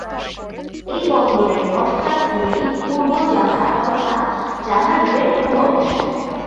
এই বন্দরের পশ্চাৎ ভূমি পূর্ব জাভা তথা জাভা দ্বীপের পূর্ব অংশ।